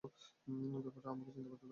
ব্যাপারটা আমাকে চিন্তা করতে দাও।